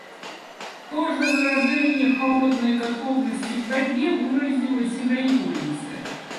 То же выражение холодной готовности к борьбе выразилось и на его лице.